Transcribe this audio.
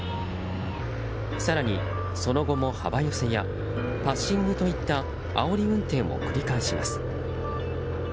更に、その後も幅寄せやパッシングといったあおり運転を繰り返します。